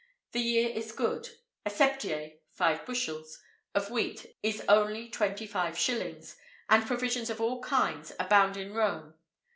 The year is good: a septier (five bushels) of wheat is only twenty five shillings,[IV 63] and provisions of all kinds abound in Rome.